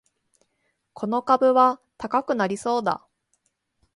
この株は高くなりそうだ